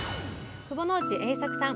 窪之内英策さん